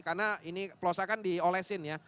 karena ini plosa kan diolesin ya